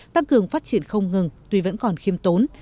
tăng cường phát triển không ngừng tuy vẫn còn khiêm tốn